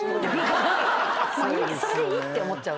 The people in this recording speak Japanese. それでいいって思っちゃう。